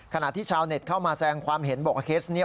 ขณะที่ชาวเน็ตเข้ามาแสงความเห็นบอกว่าเคสนี้